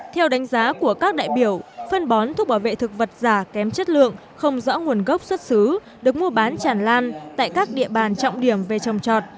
theo đánh giá của các đại biểu phân bón thuốc bảo vệ thực vật giả kém chất lượng không rõ nguồn gốc xuất xứ được mua bán tràn lan tại các địa bàn trọng điểm về trồng trọt